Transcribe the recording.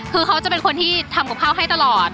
คือเขาจะเป็นคนที่ทำกับข้าวให้ตลอด